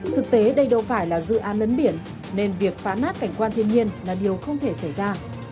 thực tế đây đâu phải là dự án lấn biển nên việc phá nát cảnh quan thiên nhiên là điều không thể xảy ra